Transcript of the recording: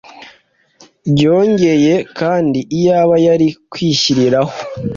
Byongeye kandi iyaba yari kwishyiriraho